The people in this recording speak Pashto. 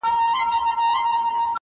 • قنلدر ته په زاريو غلبلو سو,